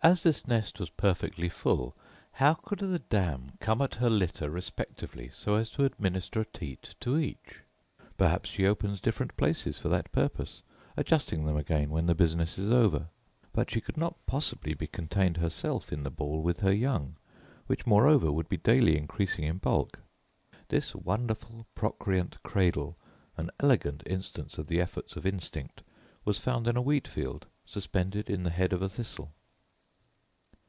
As this nest was perfectly full, how could the dam come at her litter respectively so as to administer a teat to each? perhaps she opens different places for that purpose, adjusting them again when the business is over: but she could not possibly be contained herself in the ball with her young, which moreover would be daily increasing in bulk. This wonderful procreant cradle, an elegant instance of the efforts of instinct, was found in a wheat field, suspended in the head of a thistle.